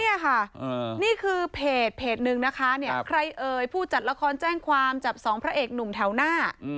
นี่ค่ะนี่คือเพจหนึ่งนะคะเนี่ยใครเอ่ยผู้จัดละครแจ้งความจับสองพระเอกหนุ่มแถวหน้า